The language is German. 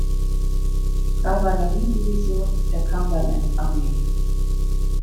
Kavalleriedivision der Cumberland-Armee.